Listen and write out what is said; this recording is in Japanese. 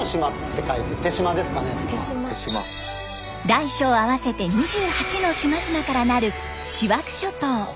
大小合わせて２８の島々から成る塩飽諸島。